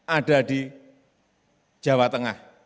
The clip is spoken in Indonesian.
ada di jawa tengah